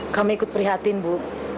kami ikut prihatin bu